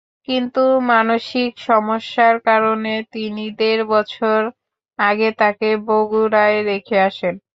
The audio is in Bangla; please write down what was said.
কিন্তু মানসিক সমস্যার কারণে তিনি দেড় বছর আগে তাকে বগুড়ায় রেখে আসেন।